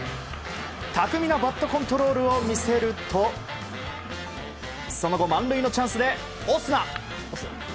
巧みなバットコントロールを見せるとその後、満塁のチャンスでオスナ。